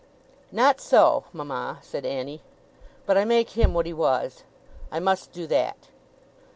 'Not so mama,' said Annie; 'but I make him what he was. I must do that.